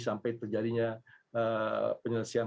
sampai terjadinya penyelesaian